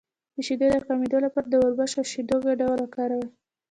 د شیدو د کمیدو لپاره د وربشو او شیدو ګډول وکاروئ